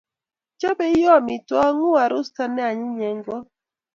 Chobei iyoo amitwogik nguu arusta ne anyiny eng got